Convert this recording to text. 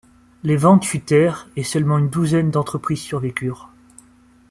Les ventes chutèrent et seulement une douzaine d'entreprises survécurent.